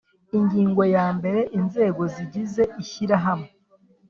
Ingingo ya mbere inzego zigize ishyirahamwe